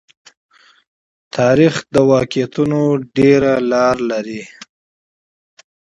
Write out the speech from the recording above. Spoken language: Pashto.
تاریخ د واقعیتونو ډېره لار لري.